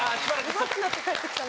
うまくなって帰ってきた。